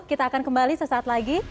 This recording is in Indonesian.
kita akan kembali sesaat lagi